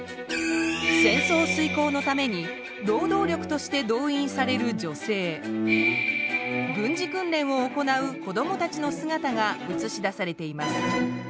戦争すいこうのために労働力として動員される女性軍事訓練を行う子どもたちの姿が映し出されています。